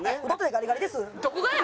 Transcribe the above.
ガリガリです。